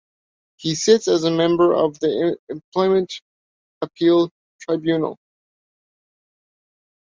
He sits as a member of the Employment Appeal Tribunal.